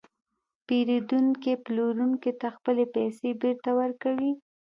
پېرودونکی پلورونکي ته خپلې پیسې بېرته ورکوي